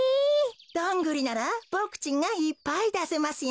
ドングリならボクちんがいっぱいだせますよ。